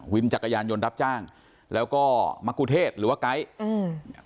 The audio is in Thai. จักรยานยนต์รับจ้างแล้วก็มะกุเทศหรือว่าไก๊อืม